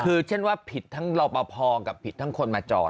คือเช่นว่าผิดทั้งรอปภกับผิดทั้งคนมาจอด